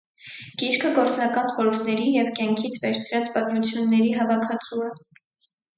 Գիրքը գործնական խորհուրդների և կյանքից վերցրած պատմությունների հավաքածու է։